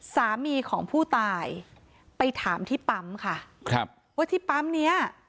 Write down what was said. สามีของผู้ตายไปถามที่ปั๊มค่ะครับว่าที่ปั๊มเนี้ย